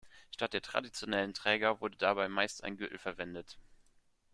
Statt der traditionellen Träger wurde dabei meist ein Gürtel verwendet.